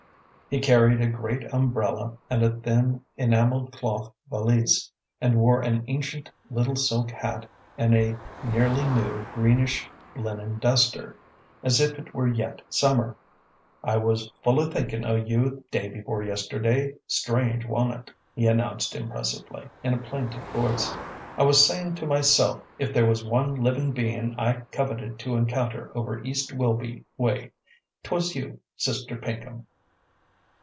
He carried a great umbrella and a thin, enameled cloth valise, and wore an ancient little silk hat and a nearly new greenish linen duster, as if it were yet summer. "I was full o' thinkin' o' you day before yisterday; strange, wa'n't it?" he announced impressively, in a plaintive voice. "I was sayin' to myself, if there was one livin' bein' I coveted to encounter over East Wilby way, 't was you, Sister Pinkham."